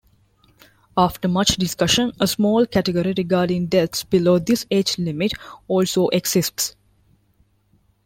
After much discussion, a small category regarding deaths below this age limit also exists.